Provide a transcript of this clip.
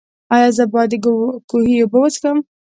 ایا زه باید د کوهي اوبه وڅښم؟